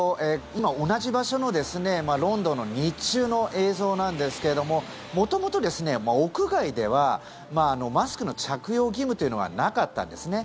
今、同じ場所のロンドンの日中の映像なんですが元々、屋外ではマスクの着用義務というのはなかったんですね。